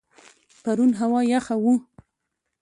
پرون هوا یخه وه.